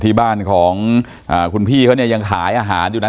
ที่บ้านของคุณพี่เขาเนี่ยยังขายอาหารอยู่นะ